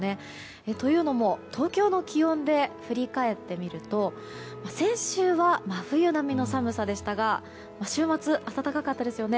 というのも、東京の気温で振り返ってみると先週は真冬並みの寒さでしたが週末、暖かかったですよね。